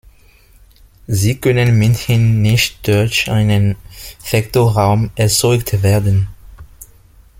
Sie können mithin nicht durch einen Vektorraum erzeugt werden.